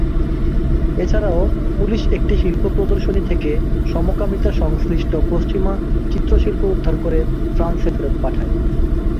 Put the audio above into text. এছাড়াও পুলিশ একটি শিল্প প্রদর্শনী থেকে সমকামিতা সংশ্লিষ্ট পশ্চিমা চিত্রশিল্প উদ্ধার করে ফ্রান্সে ফেরত পাঠায়।